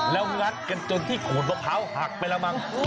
แล้วงัดกันจนที่โขดมะพร้าวหักไปแล้วมั้ง